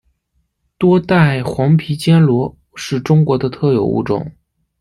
多带黄皮坚螺是中国的特有物种。